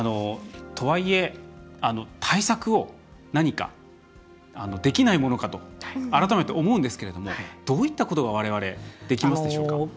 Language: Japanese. とはいえ、対策を何かできないものかと改めて思うんですけどもどういったことがわれわれ、できますでしょうか？